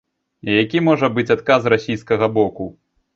Які можа быць адказ расійскага боку?